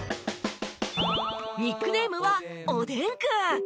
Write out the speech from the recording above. ニックネームは「おでんくん」。